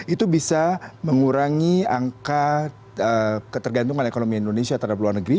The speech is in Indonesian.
itu bisa mengurangi angka ketergantungan ekonomi indonesia terhadap luar negeri